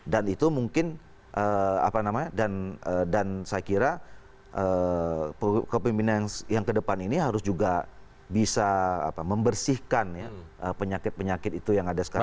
dan itu mungkin apa namanya dan saya kira kepemimpinan yang kedepan ini harus juga bisa membersihkan penyakit penyakit itu yang ada sekarang